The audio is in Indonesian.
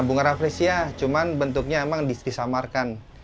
bunga raffresia cuma bentuknya emang disamarkan